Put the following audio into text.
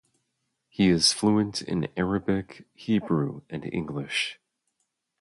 He is fluent in Arabic, Hebrew, and English.